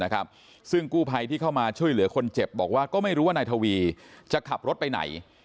ซึ่งกู้ภัยที่เข้ามาช่วยเหลือคนเจ็บบอกว่าก็ไม่รู้ว่านายทวีจะขับรถไปไหน